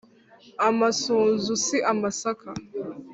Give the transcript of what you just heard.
Amasunzu si amasaka